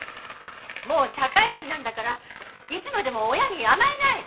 もう社会人なんだからいつまでも親に甘えない！